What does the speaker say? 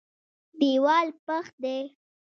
دېوال پخ دی.